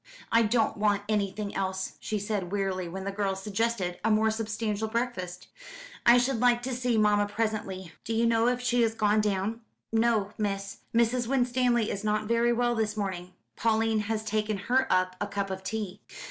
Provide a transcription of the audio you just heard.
"I don't want anything else," she said wearily when the girl suggested a more substantial breakfast; "I should like to see mamma presently. Do you know if she has gone down?" "No, miss. Mrs. Winstanley is not very well this morning. Pauline has taken her up a cup of tea."